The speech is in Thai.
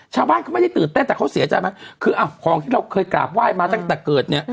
ชาวบ้านเขาไม่ได้ตื่นเต้นแต่เขาเสียใจไหมคืออ่ะของที่เราเคยกราบไหว้มาตั้งแต่เกิดเนี่ย